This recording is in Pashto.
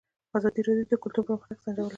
ازادي راډیو د کلتور پرمختګ سنجولی.